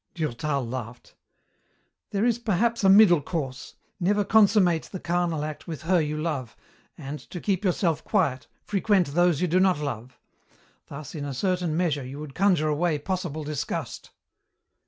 Durtal laughed. "There is perhaps a middle course: never consummate the carnal act with her you love, and, to keep yourself quiet, frequent those you do not love. Thus, in a certain measure, you would conjure away possible disgust."